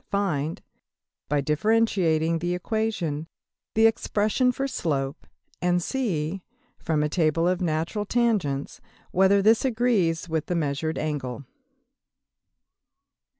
Find, by differentiating the equation, the expression for slope; and see, from a Table of Natural Tangents, whether this agrees with the measured angle.